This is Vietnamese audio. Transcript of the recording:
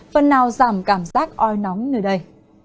phần nào giảm cảm giác oi nóng nơi đây